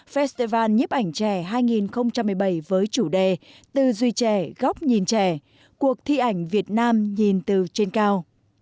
festival nhếp ảnh trẻ hai nghìn một mươi bảy với chủ đề tư duy trẻ góc nhìn trẻ cuộc thi ảnh việt nam nhìn từ trên cao